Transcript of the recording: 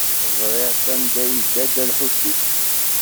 Ẓriɣ sanda ay yedda Dda Lḥusin.